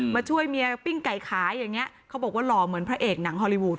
มาช่วยเมียปิ้งไก่ขายอย่างนี้เขาบอกว่าหล่อเหมือนพระเอกหนังฮอลลีวูด